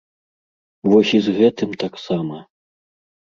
Вось і з гэтым таксама.